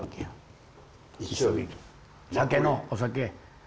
酒のお酒！